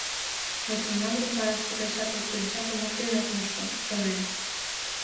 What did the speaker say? Но тунам Русанов тыгай чапле пинчакым урген ок мошто, шонен.